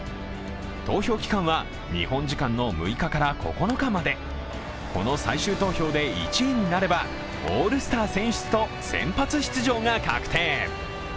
投票期間は日本時間の６日から９日までこの最終投票で１位になれば、オールスター選出と先発出場が確定。